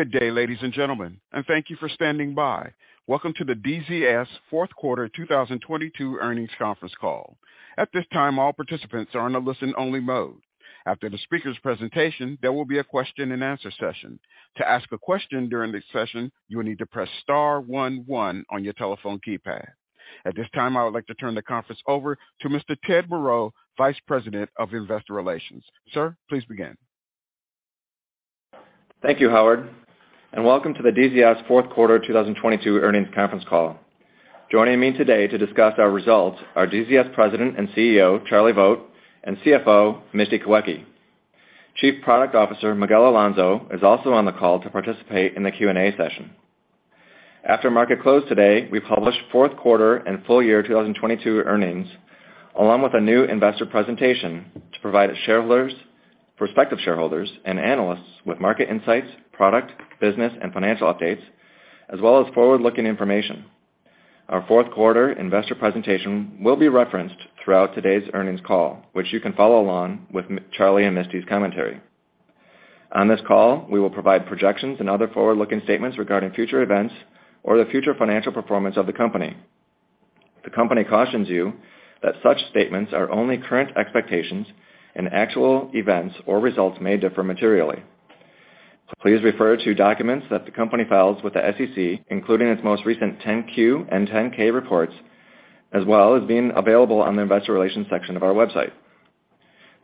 Good day, ladies and gentlemen, thank you for standing by. Welcome to the DZS fourth quarter 2022 earnings conference call. At this time, all participants are in a listen-only mode. After the speaker's presentation, there will be a question-and-answer session. To ask a question during the session, you will need to press star one one on your telephone keypad. At this time, I would like to turn the conference over to Mr. Ted Moreau, Vice President of Investor Relations. Sir, please begin. Thank you, Howard. Welcome to the DZS fourth quarter 2022 earnings conference call. Joining me today to discuss our results are DZS President and CEO, Charlie Vogt, and CFO, Misty Kawecki. Chief Product Officer Miguel Alonso is also on the call to participate in the Q&A session. After market close today, we published fourth quarter and full year 2022 earnings, along with a new investor presentation to provide prospective shareholders and analysts with market insights, product, business, and financial updates, as well as forward-looking information. Our fourth quarter investor presentation will be referenced throughout today's earnings call, which you can follow along with Charlie and Misty's commentary. On this call, we will provide projections and other forward-looking statements regarding future events or the future financial performance of the company. The company cautions you that such statements are only current expectations and actual events or results may differ materially. Please refer to documents that the company files with the SEC, including its most recent 10-Q and 10-K reports, as well as being available on the investor relations section of our website.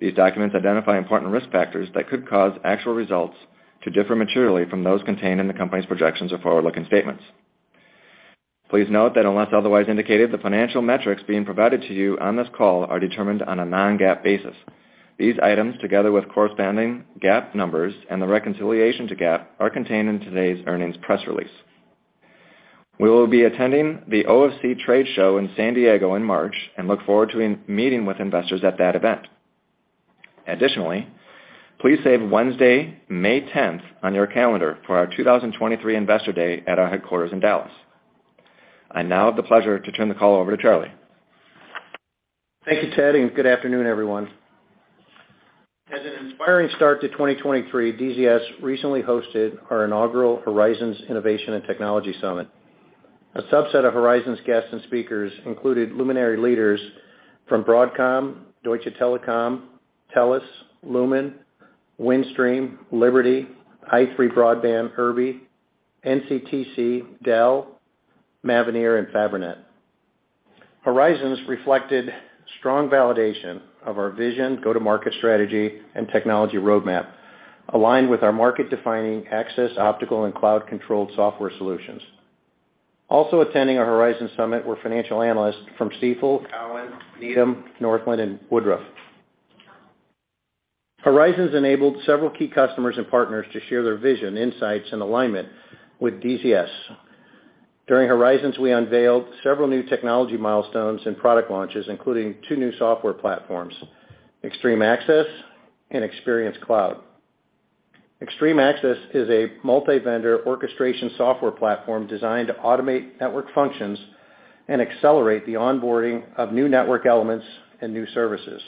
These documents identify important risk factors that could cause actual results to differ materially from those contained in the company's projections or forward-looking statements. Please note that unless otherwise indicated, the financial metrics being provided to you on this call are determined on a non-GAAP basis. These items, together with corresponding GAAP numbers and the reconciliation to GAAP, are contained in today's earnings press release. We will be attending the OFC Trade Show in San Diego in March and look forward to meeting with investors at that event. Additionally, please save Wednesday, May 10th on your calendar for our 2023 Investor Day at our headquarters in Dallas. I now have the pleasure to turn the call over to Charlie. Thank you, Ted, and good afternoon, everyone. As an inspiring start to 2023, DZS recently hosted our inaugural Horizons Innovation and Technology Summit. A subset of Horizons guests and speakers included luminary leaders from Broadcom, Deutsche Telekom, Telus, Lumen, Windstream, Liberty Global, i3 Broadband, Irby, NCTC, Dell Technologies, Mavenir, and Fabrinet. Horizons reflected strong validation of our vision, go-to-market strategy, and technology roadmap, aligned with our market-defining access, optical, and cloud-controlled software solutions. Also attending our Horizons summit were financial analysts from Stifel, Cowen, Needham, Northland, and Woodruff. Horizons enabled several key customers and partners to share their vision, insights, and alignment with DZS. During Horizons, we unveiled several new technology milestones and product launches, including two new software platforms, Xtreme Access and Xperience Cloud. Xtreme Access is a multi-vendor orchestration software platform designed to automate network functions and accelerate the onboarding of new network elements and new services.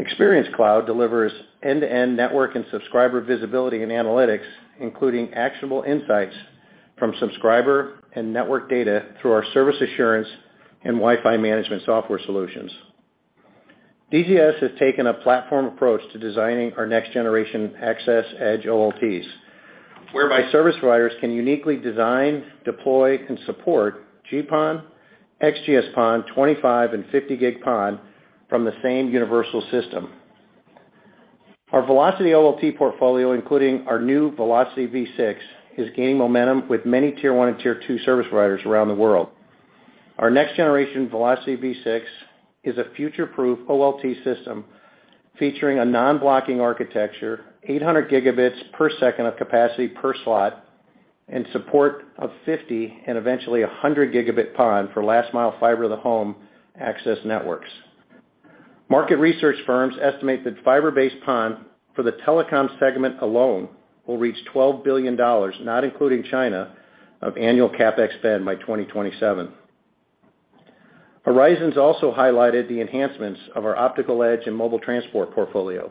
Xperience Cloud delivers end-to-end network and subscriber visibility and analytics, including actionable insights from subscriber and network data through our service assurance and Wi-Fi management software solutions. DZS has taken a platform approach to designing our next generation Access Edge OLTs, whereby service providers can uniquely design, deploy, and support GPON, XGS-PON, 25 and 50 gig PON from the same universal system. Our Velocity OLT portfolio, including our new Velocity V6, is gaining momentum with many tier 1 and tier 2 service providers around the world. Our next generation Velocity V6 is a future-proof OLT system featuring a non-blocking architecture, 800 Gbps of capacity per slot, and support of 50 and eventually 100 Gb PON for last mile fiber to the home access networks. Market research firms estimate that fiber-based PON for the telecom segment alone will reach $12 billion, not including China, of annual CapEx spend by 2027. Horizons also highlighted the enhancements of our optical edge and mobile transport portfolio.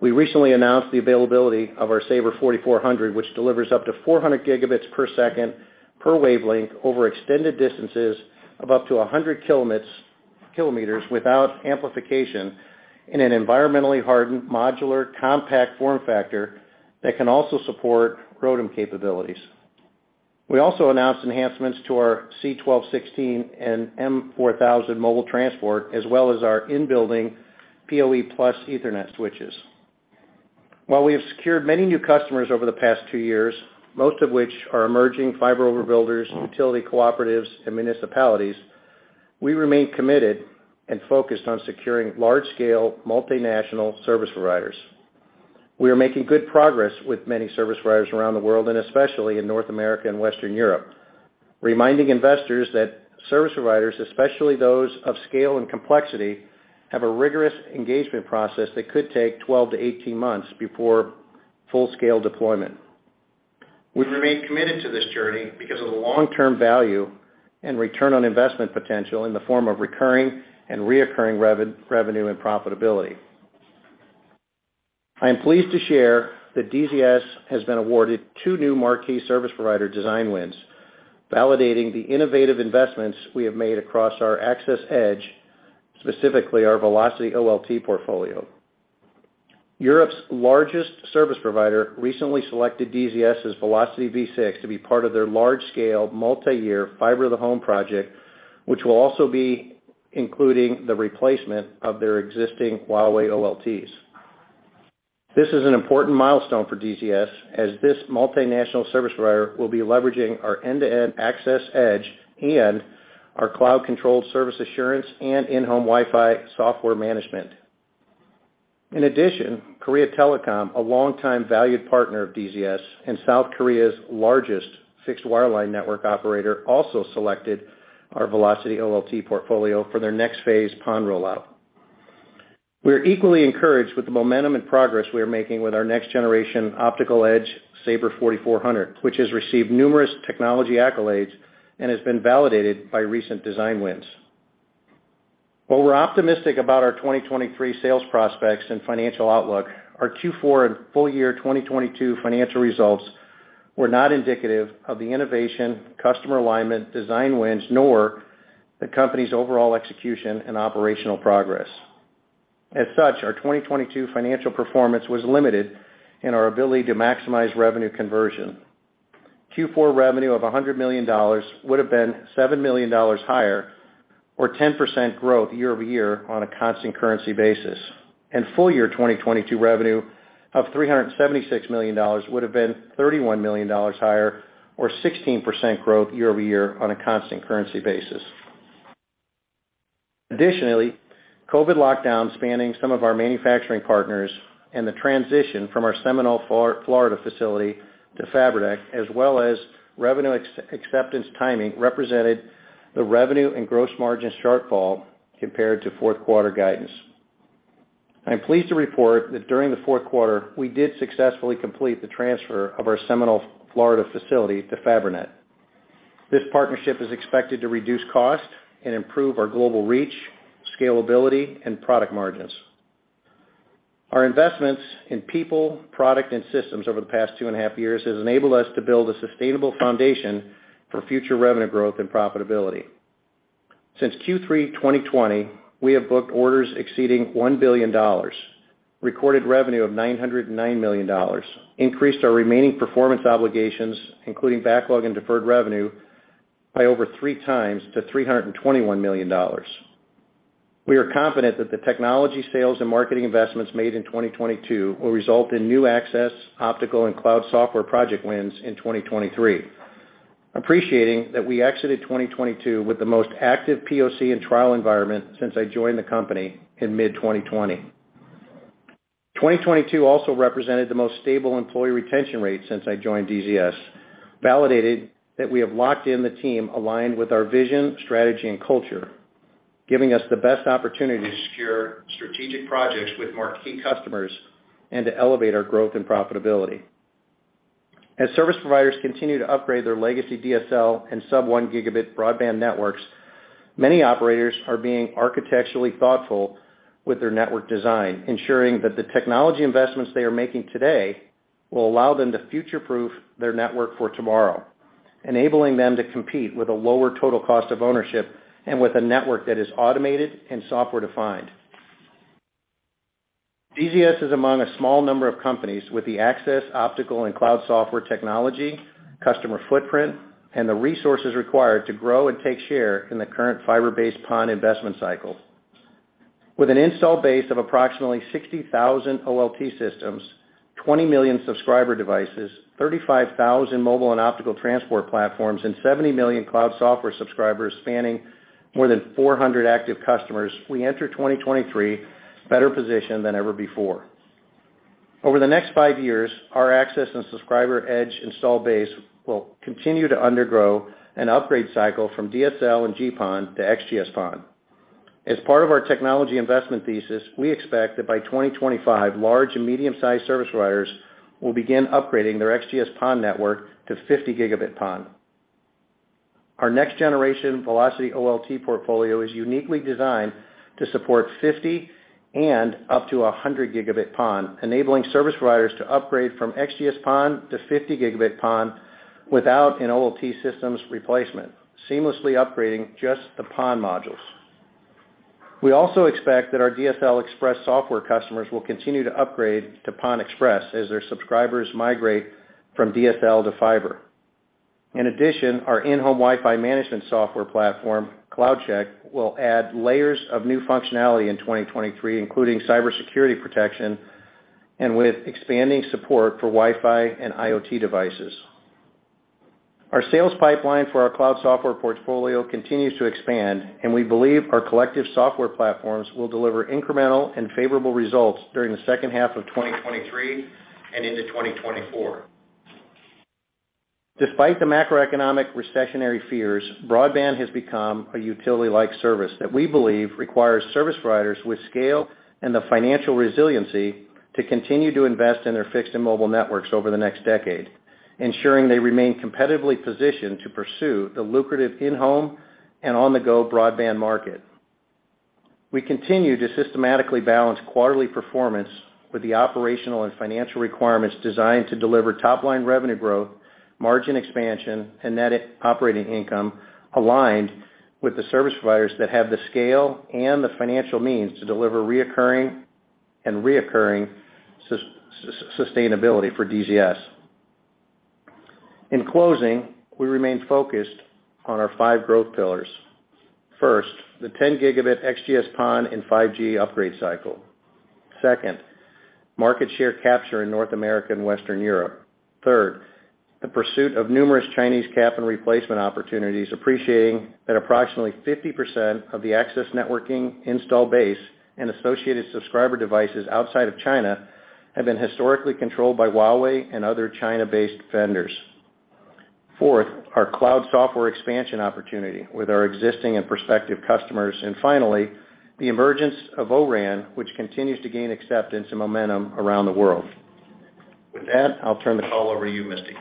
We recently announced the availability of our Saber 4400, which delivers up to 400 Gbps per wavelength over extended distances of up to 100 km without amplification in an environmentally hardened, modular, compact form factor that can also support ROADM capabilities. We also announced enhancements to our C1216 and M4000 mobile transport, as well as our in-building PoE+ Ethernet switches. While we have secured many new customers over the past two years, most of which are emerging fiber overbuilders, utility cooperatives, and municipalities, we remain committed and focused on securing large-scale multinational service providers. We are making good progress with many service providers around the world, especially in North America and Western Europe, reminding investors that service providers, especially those of scale and complexity, have a rigorous engagement process that could take 12 to 18 months before full-scale deployment. We remain committed to this journey because of the long-term value and return on investment potential in the form of recurring and reoccurring revenue and profitability. I am pleased to share that DZS has been awarded two new marquee service provider design wins, validating the innovative investments we have made across our access edge, specifically our Velocity OLT portfolio. Europe's largest service provider recently selected DZS's Velocity V6 to be part of their large-scale, multi-year fiber-to-the-home project, which will also be including the replacement of their existing Huawei OLTs. This is an important milestone for DZS, as this multinational service provider will be leveraging our end-to-end access edge and our cloud-controlled service assurance and in-home Wi-Fi software management. In addition, Korea Telecom, a longtime valued partner of DZS and South Korea's largest fixed wireline network operator, also selected our Velocity OLT portfolio for their next phase PON rollout. We are equally encouraged with the momentum and progress we are making with our next-generation optical edge Saber 4400, which has received numerous technology accolades and has been validated by recent design wins. While we're optimistic about our 2023 sales prospects and financial outlook, our Q4 and full-year 2022 financial results were not indicative of the innovation, customer alignment, design wins, nor the company's overall execution and operational progress. As such, our 2022 financial performance was limited in our ability to maximize revenue conversion. Q4 revenue of $100 million would have been $7 million higher or 10% growth year-over-year on a constant currency basis. Full-year 2022 revenue of $376 million would have been $31 million higher or 16% growth year-over-year on a constant currency basis. Additionally, COVID lockdowns spanning some of our manufacturing partners and the transition from our Seminole, Florida facility to Fabrinet, as well as revenue acceptance timing represented the revenue and gross margin shortfall compared to fourth quarter guidance. I'm pleased to report that during the fourth quarter, we did successfully complete the transfer of our Seminole, Florida facility to Fabrinet. This partnership is expected to reduce cost and improve our global reach, scalability and product margins. Our investments in people, product, and systems over the past two and a half years has enabled us to build a sustainable foundation for future revenue growth and profitability. Since Q3 2020, we have booked orders exceeding $1 billion, recorded revenue of $909 million, increased our remaining performance obligations, including backlog and deferred revenue, by over three times to $321 million. We are confident that the technology sales and marketing investments made in 2022 will result in new access, optical and cloud software project wins in 2023, appreciating that we exited 2022 with the most active POC and trial environment since I joined the company in mid-2020. 2022 also represented the most stable employee retention rate since I joined DZS, validated that we have locked in the team aligned with our vision, strategy and culture, giving us the best opportunity to secure strategic projects with marquee customers and to elevate our growth and profitability. As service providers continue to upgrade their legacy DSL and sub-1 gigabit broadband networks, many operators are being architecturally thoughtful with their network design, ensuring that the technology investments they are making today will allow them to future-proof their network for tomorrow, enabling them to compete with a lower total cost of ownership and with a network that is automated and software-defined. DZS is among a small number of companies with the access, optical and cloud software technology, customer footprint, and the resources required to grow and take share in the current fiber-based PON investment cycle. With an install base of approximately 60,000 OLT systems, 20 million subscriber devices, 35,000 mobile and optical transport platforms, and 70 million cloud software subscribers spanning more than 400 active customers, we enter 2023 better positioned than ever before. Over the next five years, our access and subscriber edge install base will continue to undergo an upgrade cycle from DSL and GPON to XGS-PON. As part of our technology investment thesis, we expect that by 2025, large and medium-sized service providers will begin upgrading their XGS-PON network to 50 Gb PON. Our next-generation Velocity OLT portfolio is uniquely designed to support 50 and up to 100 Gb PON, enabling service providers to upgrade from XGS-PON to 50 Gb PON without an OLT systems replacement, seamlessly upgrading just the PON modules. We also expect that our DSL Expresse software customers will continue to upgrade to PON Expresse as their subscribers migrate from DSL to fiber. In addition, our in-home Wi-Fi management software platform, CloudCheck, will add layers of new functionality in 2023, including cybersecurity protection and with expanding support for Wi-Fi and IoT devices. We believe our collective software platforms will deliver incremental and favorable results during the second half of 2023 and into 2024. Despite the macroeconomic recessionary fears, broadband has become a utility-like service that we believe requires service providers with scale and the financial resiliency to continue to invest in their fixed and mobile networks over the next decade. Ensuring they remain competitively positioned to pursue the lucrative in-home and on-the-go broadband market. We continue to systematically balance quarterly performance with the operational and financial requirements designed to deliver top-line revenue growth, margin expansion, and net operating income aligned with the service providers that have the scale and the financial means to deliver reoccurring and reoccurring sustainability for DZS. In closing, we remain focused on our five growth pillars. First, the 10 Gb XGS-PON and 5G upgrade cycle. Second, market share capture in North America and Western Europe. Third, the pursuit of numerous Chinese CapEx replacement opportunities, appreciating that approximately 50% of the access networking install base and associated subscriber devices outside of China have been historically controlled by Huawei and other China-based vendors. Fourth, our cloud software expansion opportunity with our existing and prospective customers. Finally, the emergence of O-RAN, which continues to gain acceptance and momentum around the world. With that, I'll turn the call over to you, Misty.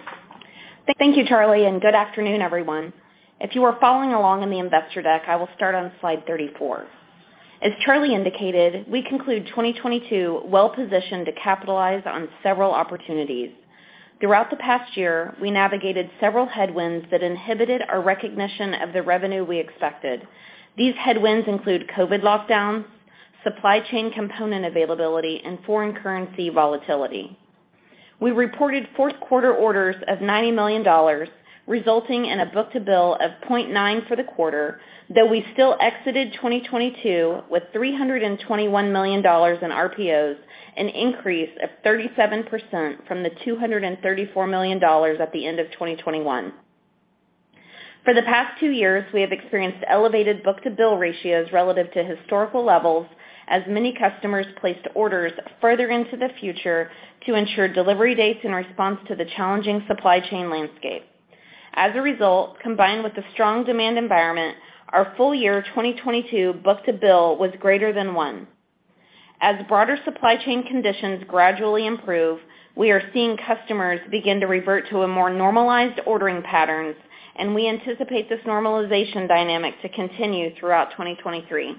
Thank you, Charlie. Good afternoon, everyone. If you are following along in the investor deck, I will start on slide 34. As Charlie indicated, we conclude 2022 well-positioned to capitalize on several opportunities. Throughout the past year, we navigated several headwinds that inhibited our recognition of the revenue we expected. These headwinds include COVID lockdowns, supply chain component availability, and foreign currency volatility. We reported fourth quarter orders of $90 million, resulting in a book-to-bill of 0.9 for the quarter, though we still exited 2022 with $321 million in RPOs, an increase of 37% from the $234 million at the end of 2021. For the past two years, we have experienced elevated book-to-bill ratios relative to historical levels as many customers placed orders further into the future to ensure delivery dates in response to the challenging supply chain landscape. As a result, combined with the strong demand environment, our full year 2022 book-to-bill was greater than one. As broader supply chain conditions gradually improve, we are seeing customers begin to revert to a more normalized ordering patterns, and we anticipate this normalization dynamic to continue throughout 2023.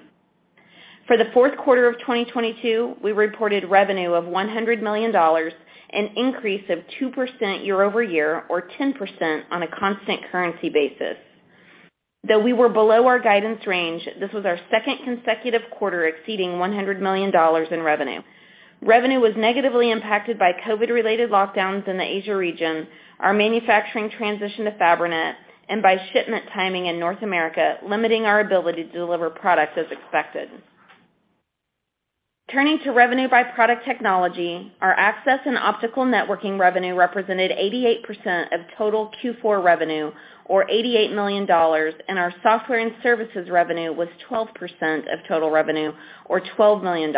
For the fourth quarter of 2022, we reported revenue of $100 million, an increase of 2% year-over-year or 10% on a constant currency basis. Though we were below our guidance range, this was our second consecutive quarter exceeding $100 million in revenue. Revenue was negatively impacted by COVID-related lockdowns in the Asia region, our manufacturing transition to Fabrinet, and by shipment timing in North America, limiting our ability to deliver product as expected. Turning to revenue by product technology, our access and optical networking revenue represented 88% of total Q4 revenue or $88 million. Our software and services revenue was 12% of total revenue or $12 million.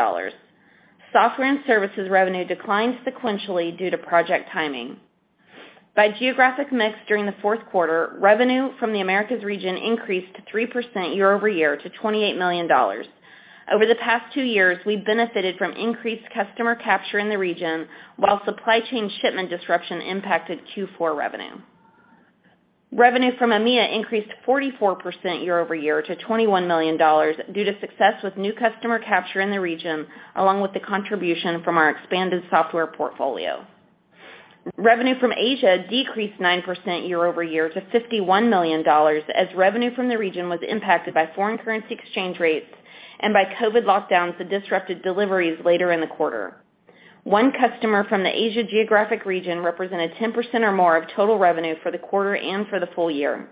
Software and services revenue declined sequentially due to project timing. By geographic mix during the fourth quarter, revenue from the Americas region increased 3% year-over-year to $28 million. Over the past two years, we benefited from increased customer capture in the region while supply chain shipment disruption impacted Q4 revenue. Revenue from EMEIA increased 44% year-over-year to $21 million due to success with new customer capture in the region, along with the contribution from our expanded software portfolio. Revenue from Asia decreased 9% year-over-year to $51 million as revenue from the region was impacted by foreign currency exchange rates and by COVID lockdowns that disrupted deliveries later in the quarter. One customer from the Asia geographic region represented 10% or more of total revenue for the quarter and for the full year.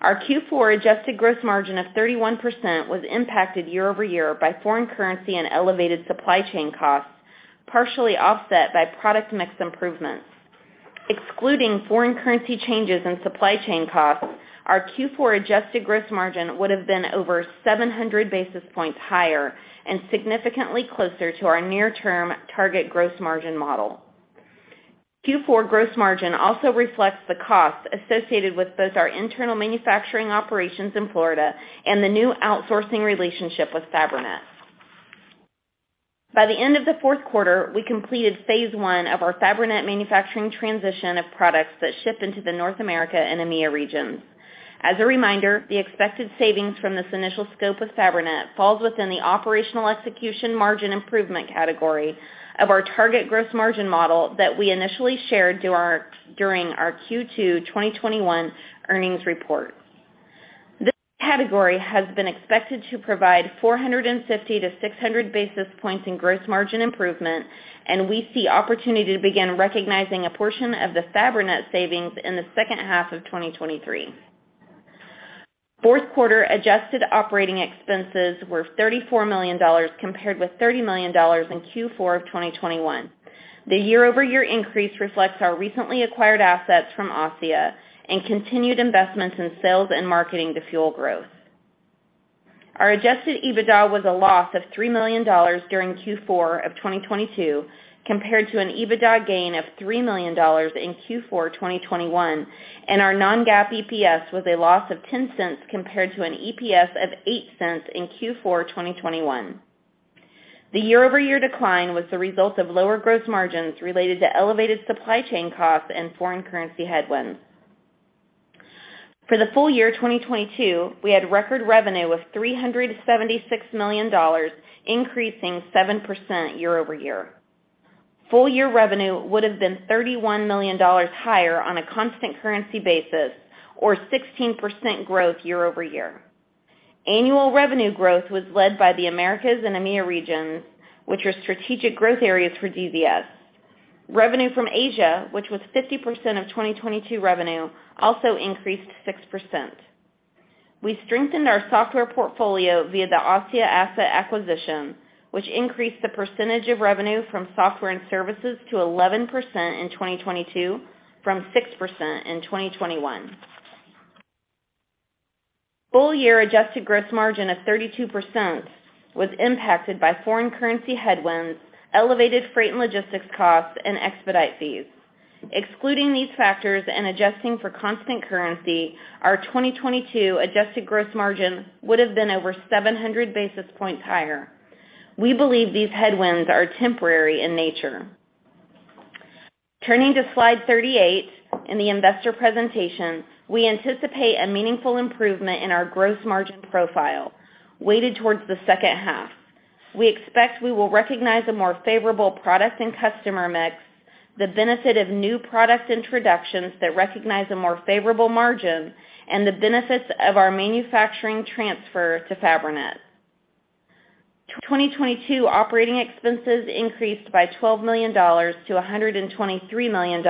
Our Q4 adjusted gross margin of 31% was impacted year-over-year by foreign currency and elevated supply chain costs, partially offset by product mix improvements. Excluding foreign currency changes and supply chain costs, our Q4 adjusted gross margin would have been over 700 basis points higher and significantly closer to our near-term target gross margin model. Q4 gross margin also reflects the costs associated with both our internal manufacturing operations in Florida and the new outsourcing relationship with Fabrinet. By the end of the fourth quarter, we completed phase one of our Fabrinet manufacturing transition of products that ship into the North America and EMEIA regions. As a reminder, the expected savings from this initial scope of Fabrinet falls within the operational execution margin improvement category of our target gross margin model that we initially shared during our Q2 2021 earnings report. This category has been expected to provide 450-600 basis points in gross margin improvement, and we see opportunity to begin recognizing a portion of the Fabrinet savings in the second half of 2023. Fourth quarter adjusted operating expenses were $34 million compared with $30 million in Q4 of 2021. The year-over-year increase reflects our recently acquired assets from ASSIA and continued investments in sales and marketing to fuel growth. Our Adjusted EBITDA was a loss of $3 million during Q4 2022 compared to an EBITDA gain of $3 million in Q4 2021. Our non-GAAP EPS was a loss of $0.10 compared to an EPS of $0.08 in Q4 2021. The year-over-year decline was the result of lower gross margins related to elevated supply chain costs and foreign currency headwinds. For the full year 2022, we had record revenue of $376 million, increasing 7% year-over-year. Full year revenue would have been $31 million higher on a constant currency basis or 16% growth year-over-year. Annual revenue growth was led by the Americas and EMEIA regions, which are strategic growth areas for DZS. Revenue from Asia, which was 50% of 2022 revenue, also increased 6%. We strengthened our software portfolio via the ASSIA asset acquisition, which increased the percentage of revenue from software and services to 11% in 2022 from 6% in 2021. Full year adjusted gross margin of 32% was impacted by foreign currency headwinds, elevated freight and logistics costs, and expedite fees. Excluding these factors and adjusting for constant currency, our 2022 adjusted gross margin would have been over 700 basis points higher. We believe these headwinds are temporary in nature. Turning to slide 38 in the investor presentation, we anticipate a meaningful improvement in our gross margin profile, weighted towards the second half. We expect we will recognize a more favorable product and customer mix, the benefit of new product introductions that recognize a more favorable margin, and the benefits of our manufacturing transfer to Fabrinet. 2022 operating expenses increased by $12 million-$123 million,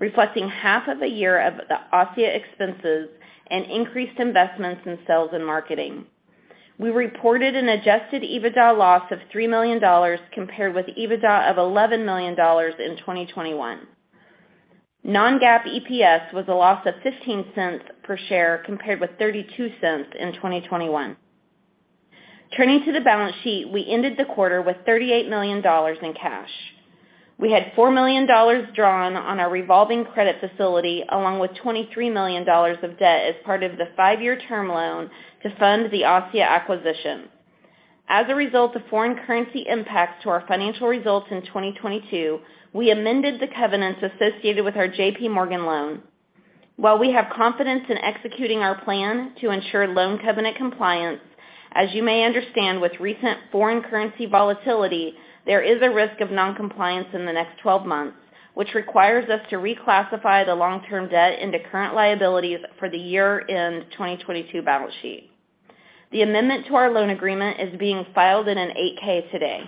reflecting half of the year of the ASSIA expenses and increased investments in sales and marketing. We reported an Adjusted EBITDA loss of $3 million compared with EBITDA of $11 million in 2021. Non-GAAP EPS was a loss of $0.15 per share compared with $0.32 in 2021. Turning to the balance sheet, we ended the quarter with $38 million in cash. We had $4 million drawn on our revolving credit facility, along with $23 million of debt as part of the five-year term loan to fund the ASSIA acquisition. As a result of foreign currency impacts to our financial results in 2022, we amended the covenants associated with our J.P. Morgan loan. While we have confidence in executing our plan to ensure loan covenant compliance, as you may understand with recent foreign currency volatility, there is a risk of non-compliance in the next 12 months, which requires us to reclassify the long-term debt into current liabilities for the year-end 2022 balance sheet. The amendment to our loan agreement is being filed in a Form 8-K today.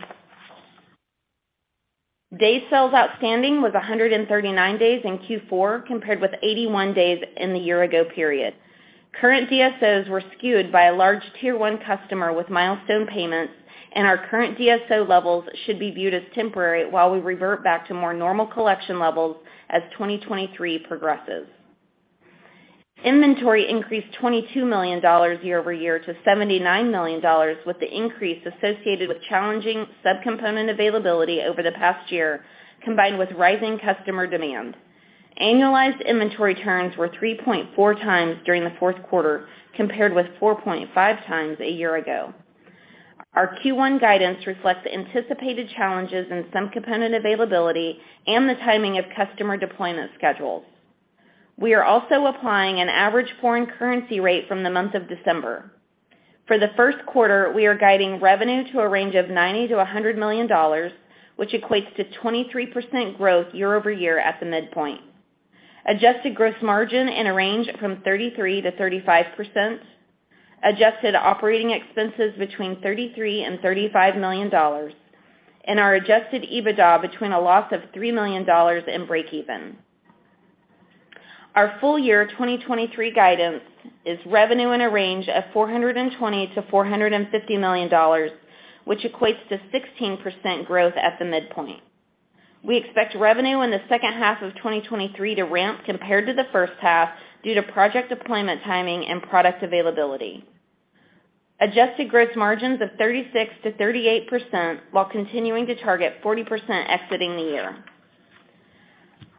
Days Sales Outstanding was 139 days in Q4 compared with 81 days in the year-ago period. Current DSOs were skewed by a large tier 1 customer with milestone payments, and our current DSO levels should be viewed as temporary while we revert back to more normal collection levels as 2023 progresses. Inventory increased $22 million year-over-year to $79 million, with the increase associated with challenging subcomponent availability over the past year, combined with rising customer demand. Annualized inventory turns were 3.4x during the fourth quarter compared with 4.5x a year ago. Our Q1 guidance reflects the anticipated challenges in subcomponent availability and the timing of customer deployment schedules. We are also applying an average foreign currency rate from the month of December. For the first quarter, we are guiding revenue to a range of $90 million-$100 million, which equates to 23% growth year-over-year at the midpoint. Adjusted gross margin in a range from 33%-35%, adjusted operating expenses between $33 million and $35 million, and our Adjusted EBITDA between a loss of $3 million and breakeven. Our full year 2023 guidance is revenue in a range of $420 million-$450 million, which equates to 16% growth at the midpoint. We expect revenue in the second half of 2023 to ramp compared to the first half due to project deployment timing and product availability. Adjusted gross margins of 36%-38% while continuing to target 40% exiting the year.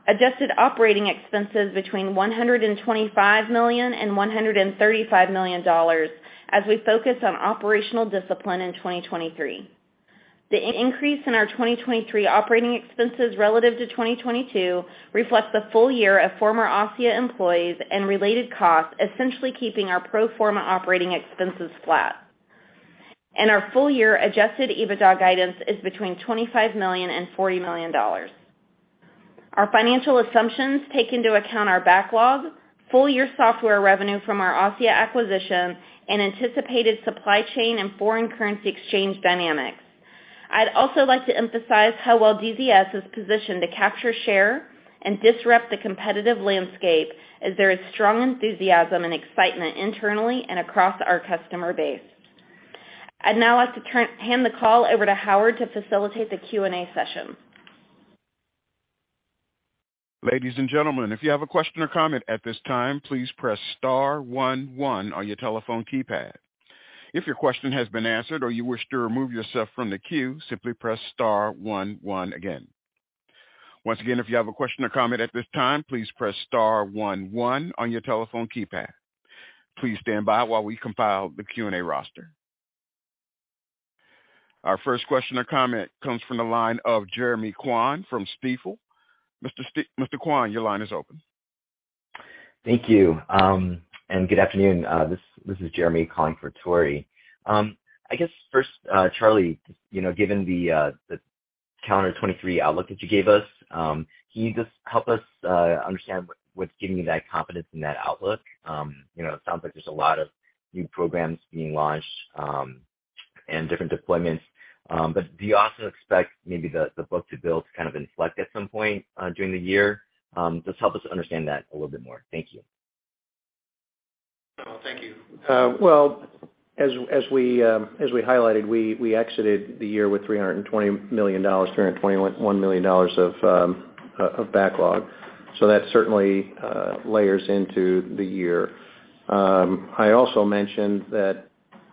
Adjusted operating expenses between $125 million and $135 million as we focus on operational discipline in 2023. The increase in our 2023 operating expenses relative to 2022 reflects the full year of former ASSIA employees and related costs, essentially keeping our pro forma operating expenses flat. Our full year Adjusted EBITDA guidance is between $25 million and $40 million. Our financial assumptions take into account our backlog, full year software revenue from our ASSIA acquisition, and anticipated supply chain and foreign currency exchange dynamics. I'd also like to emphasize how well DZS is positioned to capture, share, and disrupt the competitive landscape as there is strong enthusiasm and excitement internally and across our customer base. I'd now like to hand the call over to Howard to facilitate the Q&A session. Ladies and gentlemen, if you have a question or comment at this time, please press star one one on your telephone keypad. If your question has been answered or you wish to remove yourself from the queue, simply press star one one again. Once again, if you have a question or comment at this time, please press star one one on your telephone keypad. Please stand by while we compile the Q&A roster. Our first question or comment comes from the line of Jeremy Kwan from Stifel. Mr. Kwan, your line is open. Thank you, and good afternoon. This is Jeremy calling for Tory. I guess first, Charlie, you know, given the calendar 2023 outlook that you gave us, can you just help us understand what's giving you that confidence in that outlook? You know, it sounds like there's a lot of new programs being launched, and different deployments. Do you also expect maybe the book-to-bill to kind of inflect at some point during the year? Just help us understand that a little bit more. Thank you. No. Thank you. Well, as we highlighted, we exited the year with $320 million, $321 million of backlog. That certainly layers into the year. I also mentioned that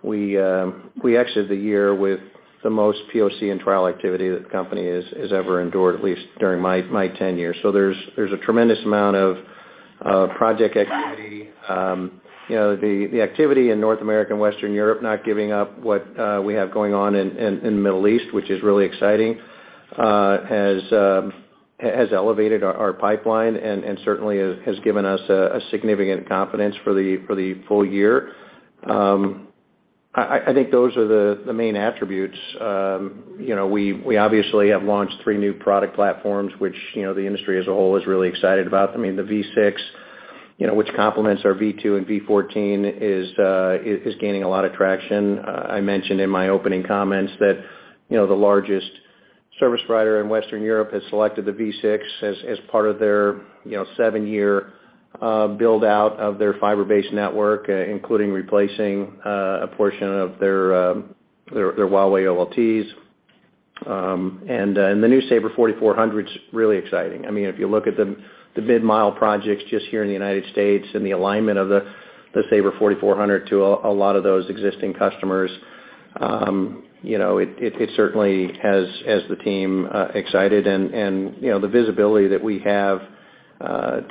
we exited the year with the most POC and trial activity that the company has ever endured, at least during my tenure. There's a tremendous amount of project activity. You know, the activity in North America and Western Europe not giving up what we have going on in the Middle East, which is really exciting, has elevated our pipeline and certainly has given us a significant confidence for the full year. I think those are the main attributes. You know, we obviously have launched three new product platforms, which, you know, the industry as a whole is really excited about. I mean, the V6, you know, which complements our V2 and V14 is gaining a lot of traction. I mentioned in my opening comments that, you know, the largest service provider in Western Europe has selected the V6 as part of their, you know, seven-year build-out of their fiber-based network, including replacing a portion of their Huawei OLTs. The new Saber 4400 is really exciting. I mean, if you look at the mid-mile projects just here in the United States and the alignment of the Saber 4400 to a lot of those existing customers, you know, it certainly has the team excited and, you know, the visibility that we have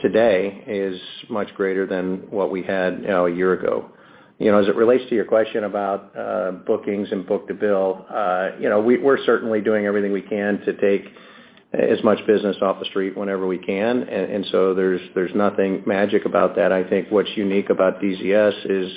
today is much greater than what we had, you know, a year ago. You know, as it relates to your question about bookings and book-to-bill, you know, we're certainly doing everything we can to take as much business off the street whenever we can. There's nothing magic about that. I think what's unique about DZS is,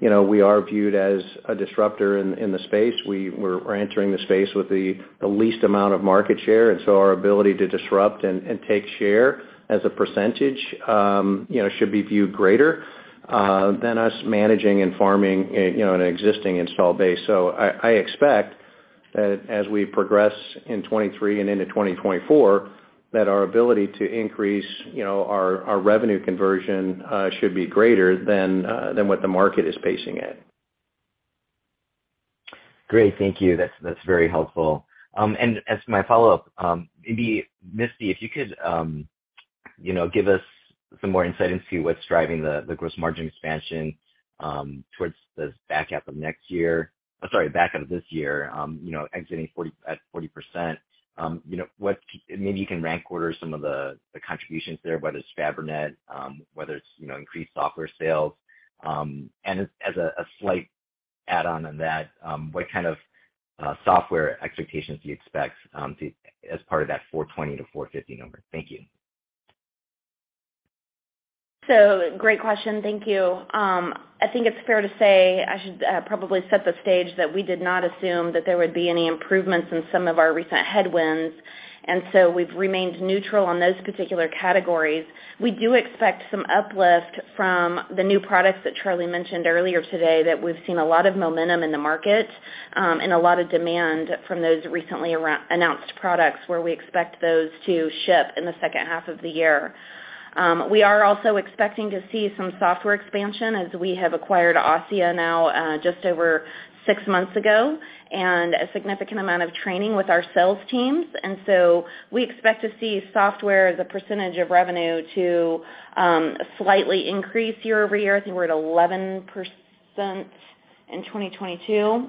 you know, we are viewed as a disruptor in the space. We're entering the space with the least amount of market share, our ability to disrupt and take share as a percentage, you know, should be viewed greater than us managing and farming, you know, an existing install base. I expect that as we progress in 2023 and into 2024, that our ability to increase, you know, our revenue conversion, should be greater than what the market is pacing at. Great. Thank you. That's very helpful. As my follow-up, maybe Misty, if you could, you know, give us some more insight into what's driving the gross margin expansion towards the back half of next year. I'm sorry, back half of this year, you know, exiting 40, at 40%. You know, what maybe you can rank order some of the contributions there, whether it's Fabrinet, whether it's, you know, increased software sales. As, as a slight add-on on that, what kind of software expectations do you expect to, as part of that 420-450 number? Thank you. Great question. Thank you. I think it's fair to say I should probably set the stage that we did not assume that there would be any improvements in some of our recent headwinds, and so we've remained neutral on those particular categories. We do expect some uplift from the new products that Charlie mentioned earlier today, that we've seen a lot of momentum in the market, and a lot of demand from those recently announced products where we expect those to ship in the second half of the year. We are also expecting to see some software expansion as we have acquired ASSIA now, just over six months ago, and a significant amount of training with our sales teams. We expect to see software as a % of revenue to slightly increase year-over-year. I think we're at 11% in 2022.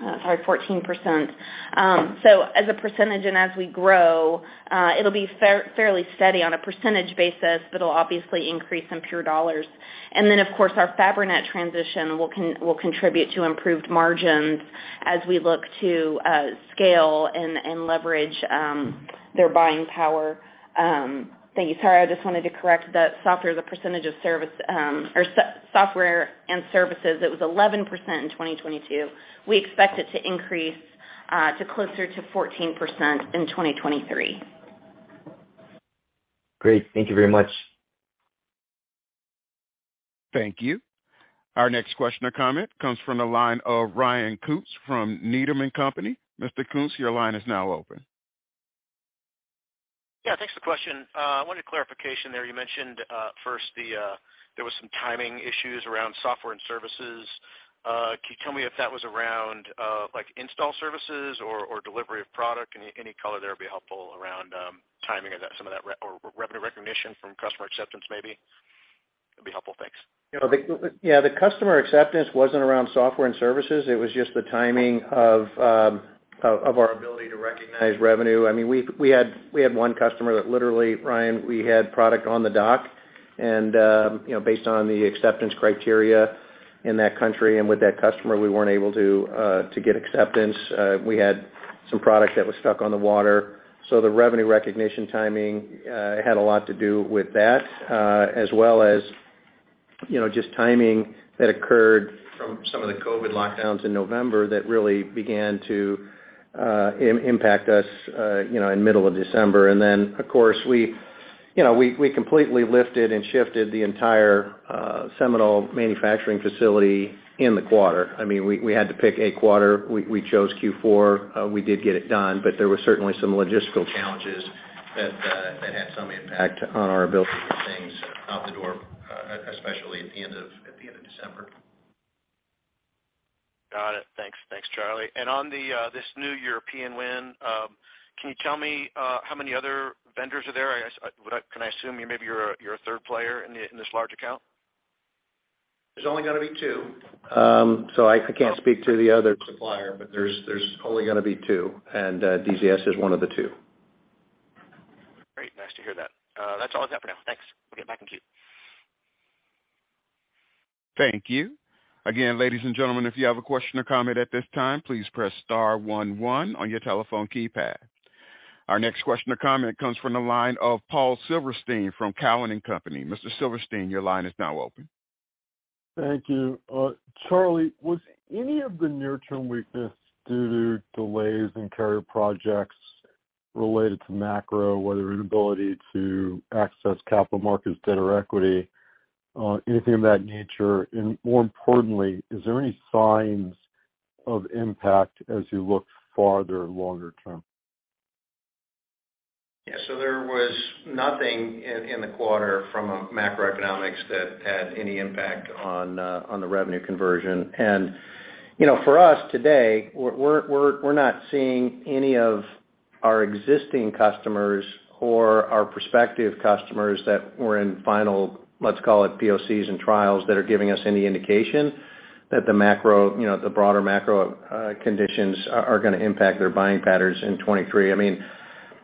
Sorry, 14%. As a percentage, and as we grow, it'll be fairly steady on a percentage basis, but it'll obviously increase in pure dollars. Of course, our Fabrinet transition will contribute to improved margins as we look to scale and leverage their buying power. Thank you. Sorry, I just wanted to correct that software as a percentage of service, or software and services, it was 11% in 2022. We expect it to increase to closer to 14% in 2023. Great. Thank you very much. Thank you. Our next question or comment comes from the line of Ryan Koontz from Needham & Company. Mr. Koontz, your line is now open. Yeah. Thanks for the question. I wanted clarification there. You mentioned, first the, there was some timing issues around software and services. Can you tell me if that was around, like install services or delivery of product? Any color there would be helpful around timing of that, some of that revenue recognition from customer acceptance maybe? It'll be helpful. Thanks. You know, the Yeah, the customer acceptance wasn't around software and services. It was just the timing of our ability to recognize revenue. I mean, we had one customer that literally, Ryan, we had product on the dock and, you know, based on the acceptance criteria in that country and with that customer, we weren't able to get acceptance. We had some product that was stuck on the water. The revenue recognition timing had a lot to do with that, as well as, you know, just timing that occurred from some of the COVID lockdowns in November that really began to impact us, you know, in middle of December. Then, of course, we, you know, we completely lifted and shifted the entire seminal manufacturing facility in the quarter. I mean, we had to pick a quarter. We chose Q4. We did get it done, but there were certainly some logistical challenges that had some impact on our ability to get things out the door, especially at the end of December. Got it. Thanks. Thanks, Charlie. On the, this new European win, can you tell me, how many other vendors are there? Can I assume maybe you're a third player in this large account? There's only gonna be two. I can't speak to the other supplier, but there's only gonna be two, and DZS is one of the two. Great. Nice to hear that. That's all I got for now. Thanks. We'll get back in queue. Thank you. Again, ladies and gentlemen, if you have a question or comment at this time, please press star one one on your telephone keypad. Our next question or comment comes from the line of Paul Silverstein from Cowen and Company. Mr. Silverstein, your line is now open. Thank you. Charlie, was any of the near-term weakness due to delays in carrier projects related to macro, whether inability to access capital markets, debt, or equity, anything of that nature? More importantly, is there any signs of impact as you look farther longer term? Yeah. There was nothing in the quarter from a macroeconomics that had any impact on the revenue conversion. You know, for us today, we're not seeing any of our existing customers or our prospective customers that were in final, let's call it POCs and trials, that are giving us any indication that the macro, you know, the broader macro conditions are gonna impact their buying patterns in 23. I mean,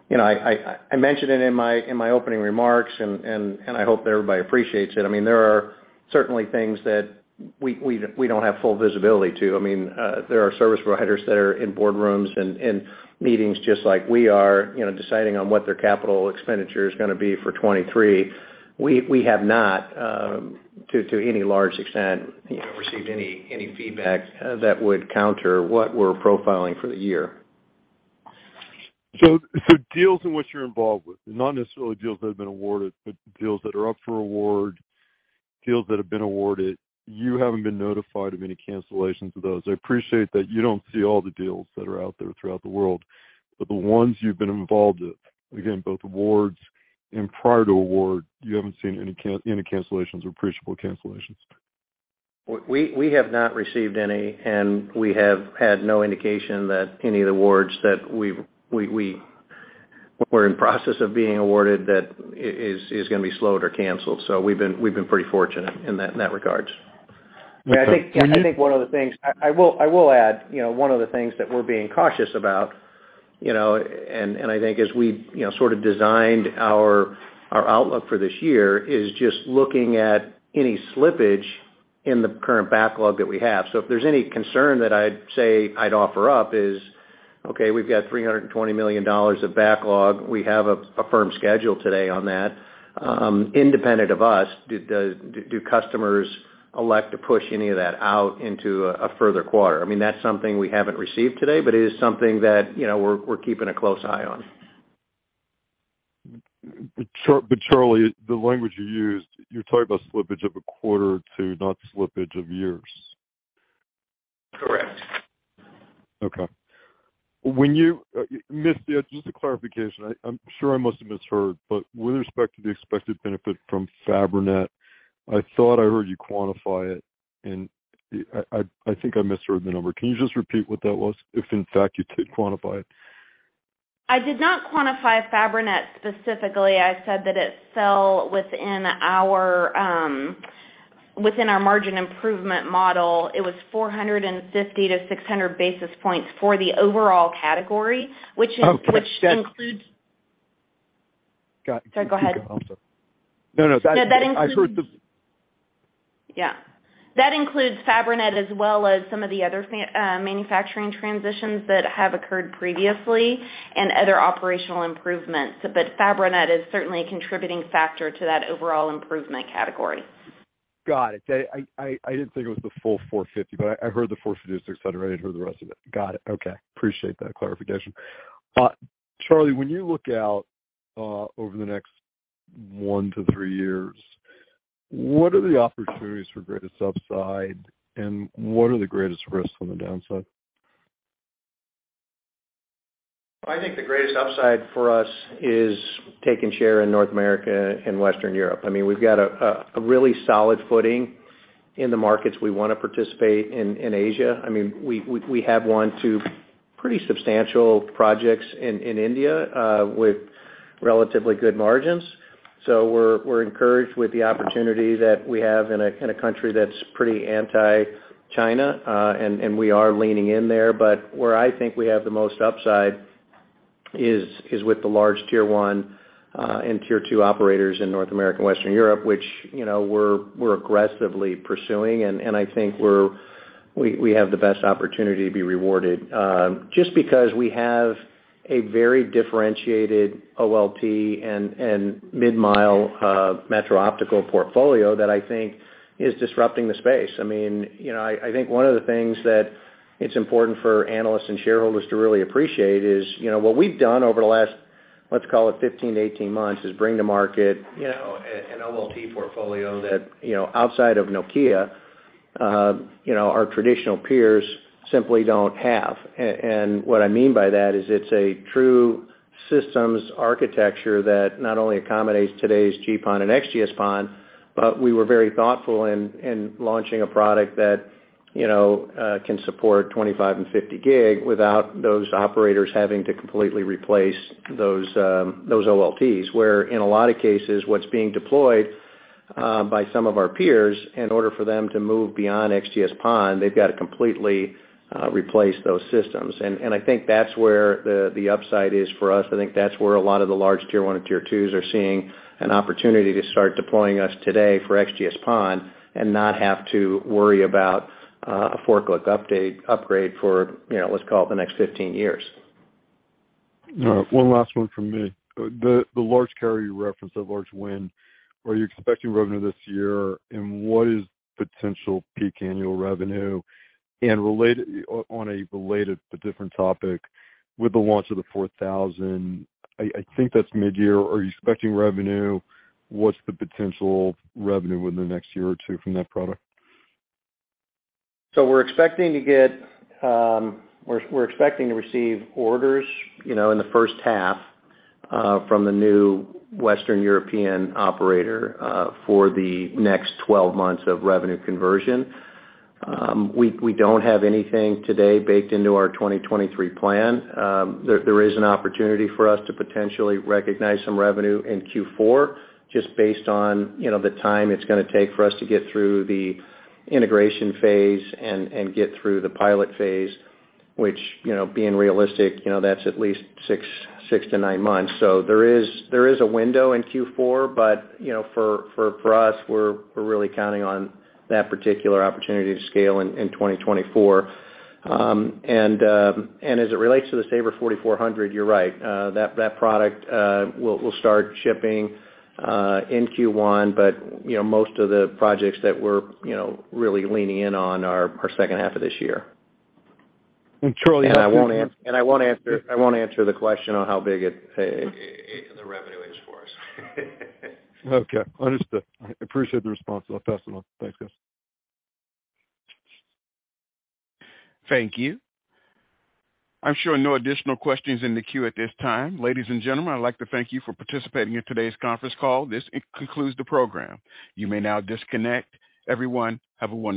you know, I mentioned it in my opening remarks and I hope that everybody appreciates it. I mean, there are certainly things that we don't have full visibility to. I mean, there are service providers that are in boardrooms and meetings just like we are, you know, deciding on what their capital expenditure is gonna be for 23. We have not, to any large extent, you know, received any feedback that would counter what we're profiling for the year. Deals in which you're involved with, not necessarily deals that have been awarded, but deals that are up for award, deals that have been awarded, you haven't been notified of any cancellations of those. I appreciate that you don't see all the deals that are out there throughout the world, but the ones you've been involved with, again, both awards and prior to award, you haven't seen any cancellations or appreciable cancellations. We have not received any, and we have had no indication that any of the awards that we've we're in process of being awarded that is gonna be slowed or canceled. We've been pretty fortunate in that, in that regards. Okay. Yeah, I think one of the things I will add, you know, one of the things that we're being cautious about, you know, and I think as we, you know, sort of designed our outlook for this year is just looking at any slippage in the current backlog that we have. If there's any concern that I'd say I'd offer up is, okay, we've got $320 million of backlog. We have a firm schedule today on that. Independent of us, do customers elect to push any of that out into a further quarter? I mean, that's something we haven't received today, but it is something that, you know, we're keeping a close eye on. Charlie, the language you used, you're talking about slippage of a quarter or two, not slippage of years. Correct. Okay. When you, Misty, just a clarification. I'm sure I must have misheard, with respect to the expected benefit from Fabrinet, I thought I heard you quantify it, and I think I misheard the number. Can you just repeat what that was, if in fact you did quantify it? I did not quantify Fabrinet specifically. I said that it fell within our, within our margin improvement model. It was 450-600 basis points for the overall category. Oh, can I just. Which includes. Got it. Sorry, go ahead. No, no. That. No, that. I heard the. Yeah. That includes Fabrinet as well as some of the other manufacturing transitions that have occurred previously and other operational improvements. Fabrinet is certainly a contributing factor to that overall improvement category. I didn't think it was the full $450, but I heard the $450-$600. I didn't hear the rest of it. Got it. Okay. Appreciate that clarification. Charlie, when you look out over the next one to three years, what are the opportunities for greatest upside, and what are the greatest risks on the downside? I think the greatest upside for us is taking share in North America and Western Europe. I mean, we've got a really solid footing in the markets we wanna participate in Asia. I mean, we have won two pretty substantial projects in India with relatively good margins. We're encouraged with the opportunity that we have in a country that's pretty anti-China, and we are leaning in there. Where I think we have the most upside is with the large tier one and tier two operators in North America and Western Europe, which, you know, we're aggressively pursuing. I think we have the best opportunity to be rewarded just because we have a very differentiated OLT and mid-mile metro optical portfolio that I think is disrupting the space. I mean, you know, I think one of the things that it's important for analysts and shareholders to really appreciate is what we've done over the last, let's call it 15-18 months, is bring to market an OLT portfolio that, outside of Nokia, our traditional peers simply don't have. What I mean by that is it's a true systems architecture that not only accommodates today's GPON and XGS-PON, but we were very thoughtful in launching a product that can support 25 and 50 gig without those operators having to completely replace those OLTs. Where in a lot of cases, what's being deployed by some of our peers, in order for them to move beyond XGS-PON, they've got to completely replace those systems. I think that's where the upside is for us. I think that's where a lot of the large tier one and tier twos are seeing an opportunity to start deploying us today for XGS-PON and not have to worry about a forklift upgrade for, you know, let's call it the next 15 years. All right, one last one from me. The large carrier you referenced, that large win, are you expecting revenue this year, and what is potential peak annual revenue? On a related but different topic, with the launch of the M4000, I think that's mid-year, are you expecting revenue? What's the potential revenue in the next year or two from that product? We're expecting to receive orders, you know, in the first half from the new Western European operator for the next 12 months of revenue conversion. We don't have anything today baked into our 2023 plan. There is an opportunity for us to potentially recognize some revenue in Q4 just based on, you know, the time it's gonna take for us to get through the integration phase and get through the pilot phase, which, you know, being realistic, you know, that's at least six to nine months. There is a window in Q4, but, you know, for us, we're really counting on that particular opportunity to scale in 2024. As it relates to the Saber 4400, you're right. That product will start shipping in Q1, but, you know, most of the projects that we're, you know, really leaning in on are second half of this year. Charlie. I won't answer the question on how big the revenue is for us. Okay, understood. I appreciate the response though. Excellent. Thanks guys. Thank you. I'm showing no additional questions in the queue at this time. Ladies and gentlemen, I'd like to thank you for participating in today's conference call. This concludes the program. You may now disconnect. Everyone, have a wonderful day.